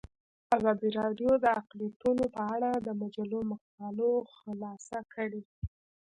ازادي راډیو د اقلیتونه په اړه د مجلو مقالو خلاصه کړې.